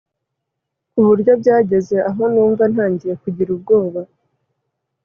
Kuburyo byageze aho numva ntangiye kugira ubwoba